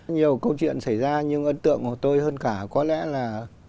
nhiều câu chuyện xảy ra nhưng ấn tượng của tôi hơn cả có lẽ là